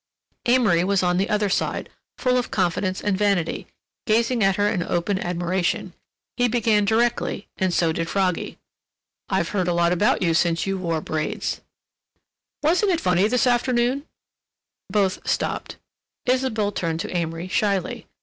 Amory was on the other side, full of confidence and vanity, gazing at her in open admiration. He began directly, and so did Froggy: "I've heard a lot about you since you wore braids—" "Wasn't it funny this afternoon—" Both stopped. Isabelle turned to Amory shyly.